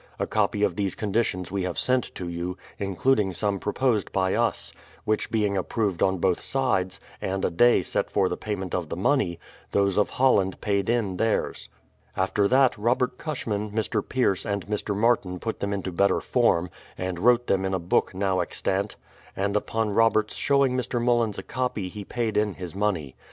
A copy of these conditions we have sent to you, includ ing some proposed bj'^ us ; which being approved on both sides, and a day set for the paj'ment of the money, those of Holland paid in theirs. After that, Robert Cushman, Mr. Pierce, and Mr. Martin put them into better form, and wrote them in a book now extant; and upon Robert's showing Mr. Mullins a copy he paid in his money.